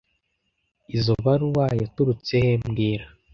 Izoi baruwa yaturutse he mbwira